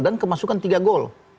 dan kemasukan tiga gol